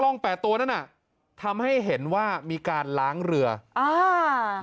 น่ะทำให้เห็นว่ามีการล้างเรืออ่า๐๗๐๖๖